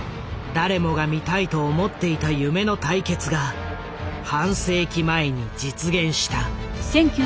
誰もが見たいと思っていた夢の対決が半世紀前に実現した。